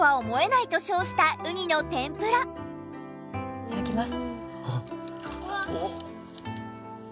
いただきます。